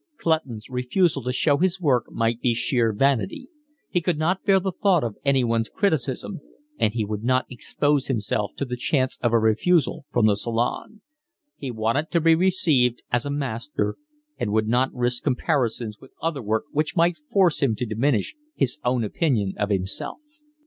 Clutton's refusal to show his work might be sheer vanity: he could not bear the thought of anyone's criticism, and he would not expose himself to the chance of a refusal from the Salon; he wanted to be received as a master and would not risk comparisons with other work which might force him to diminish his own opinion of himself.